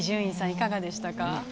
いかがでしたか？